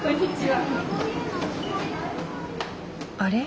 あれ？